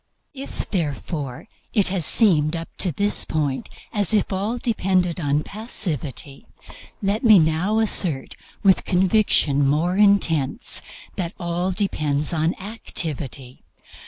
If, therefore, it has seemed up to this point as if all depended on passivity, let me now assert, with conviction more intense, that all depends on activity.